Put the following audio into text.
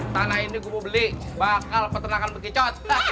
tanah ini gua beli bakal peternakan berkicot